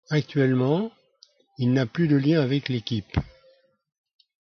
Actuellement, il n'a plus de liens avec l'équipe.